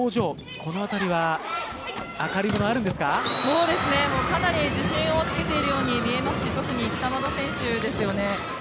このあたりは明るさがかなり自信をつけているように見えますし特に北窓選手ですよね。